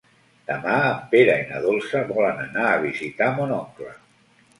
Demà en Pere i na Dolça volen anar a visitar mon oncle.